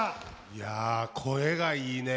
いや声がいいね。